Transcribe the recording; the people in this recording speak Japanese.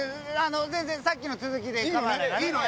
全然さっきの続きで構わないからね。